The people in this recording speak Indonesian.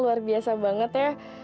luar biasa banget ya